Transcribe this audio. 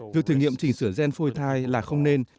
việc thử nghiệm chỉnh sửa gen phôi thai là không nên